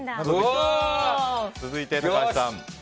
続いて、高橋さん。